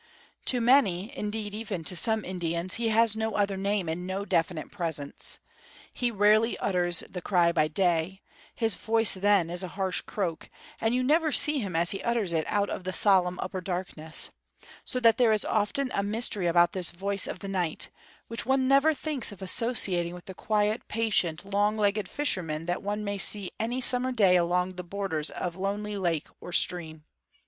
To many, indeed, even to some Indians, he has no other name and no definite presence. He rarely utters the cry by day his voice then is a harsh croak and you never see him as he utters it out of the solemn upper darkness; so that there is often a mystery about this voice of the night, which one never thinks of associating with the quiet, patient, long legged fisherman that one may see any summer day along the borders of lonely lake or stream.